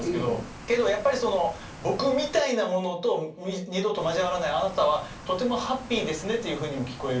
けどやっぱりその僕みたいな者と二度と交わらないあなたはとてもハッピーですねというふうにも聞こえるんですよね。